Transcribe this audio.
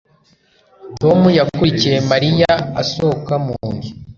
Tom yakurikiye Mariya asohoka mu nzu